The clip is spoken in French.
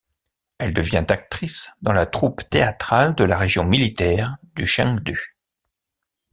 Elle devient actrice dans la troupe théâtrale de la région militaire du Chengdu.